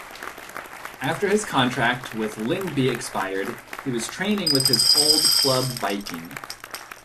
After his contract with Lyngby expired, he was training with his old club Viking.